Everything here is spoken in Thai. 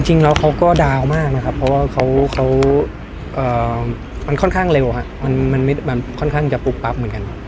จริงแล้วเขาก็ดาวมากนะครับเพราะว่าเขามันค่อนข้างเร็วครับมันค่อนข้างจะปุ๊บปั๊บเหมือนกัน